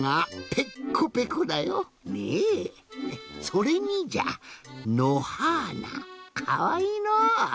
それにじゃのはーなかわいいのう。